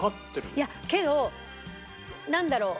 いやけどなんだろう？